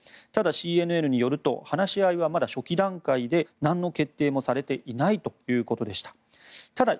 ただＣＮＮによると話し合いはまだ初期段階でなんの決定もされていないということでした。